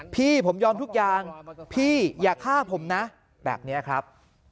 พี่ผมยอมทุกอย่างพี่อย่าฆ่าผมนะแบบนี้ครับ